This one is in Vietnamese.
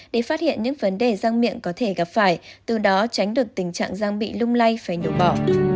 để phát hiện những vấn đề răng miệng có thể gặp phải từ đó tránh được tình trạng giang bị lung lay phải đổ bỏ